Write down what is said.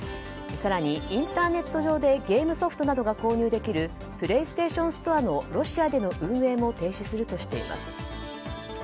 更にインターネット上でゲームソフトなどが購入できるプレイステーションストアのロシアでの運営も停止するとしています。